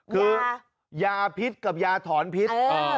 คือยาพิษกับยาถอนพิษ